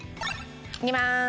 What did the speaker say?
いきまーす。